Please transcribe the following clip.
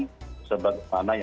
dan kami juga telah menemainya